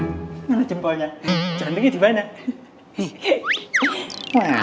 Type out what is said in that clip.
mana jempolnya jantungnya di mana